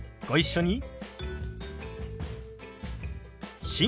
ご一緒に。